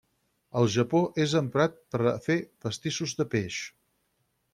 Al Japó és emprat per a fer pastissos de peix.